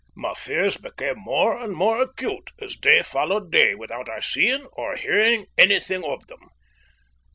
My fears became more and more acute as day followed day without our seeing or hearing anything of them.